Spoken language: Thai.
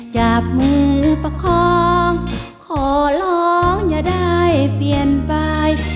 จับมือประคองขอร้องอย่าได้เปลี่ยนไป